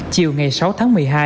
chiều ngày sáu tháng một mươi hai